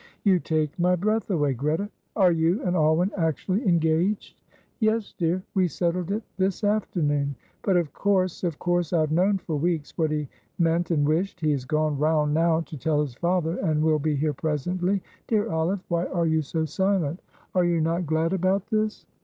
"You take my breath away, Greta. Are you and Alwyn actually engaged?" "Yes, dear, we settled it this afternoon; but, of course of course, I have known for weeks what he meant and wished. He has gone round now to tell his father, and will be here presently. Dear Olive, why are you so silent? Are you not glad about this?"